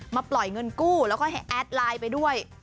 ปล่อยเงินกู้แล้วก็ให้แอดไลน์ไปด้วย